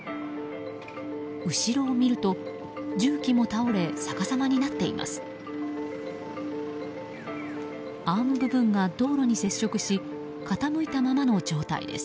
後ろを見ると重機も倒れ逆さまになっています。